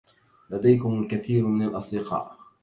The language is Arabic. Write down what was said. لديكم الكثير من الأصدقاء.